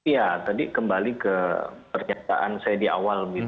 ya tadi kembali ke pernyataan saya di awal